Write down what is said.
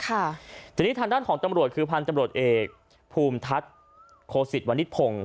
ทีนี้ทางด้านของตำรวจคือพันธุ์ตำรวจเอกภูมิทัศน์โคสิตวันนิพงศ